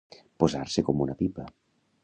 Posar-se com una pipa.